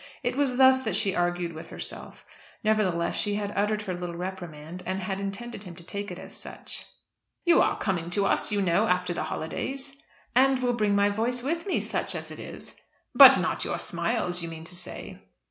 It was thus that she argued with herself. Nevertheless she had uttered her little reprimand and had intended him to take it as such. "You are coming to us, you know, after the holidays." "And will bring my voice with me, such as it is." "But not your smiles, you mean to say."